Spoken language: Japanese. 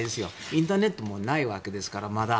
インターネットもないわけですから、まだ。